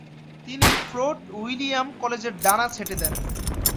তিনি Fort William কলেজের ডানা ছেঁটে দেন।